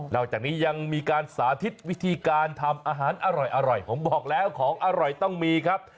จากนี้ยังมีการสาธิตวิธีการทำอาหารอร่อยผมบอกแล้วของอร่อยต้องมีครับ